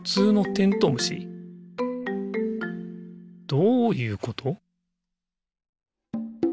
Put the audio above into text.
どういうこと？